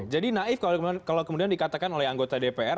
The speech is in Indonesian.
jadi naif kalau kemudian dikatakan oleh anggota dpr